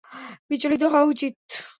বিচলিত হওয়া উচিৎ!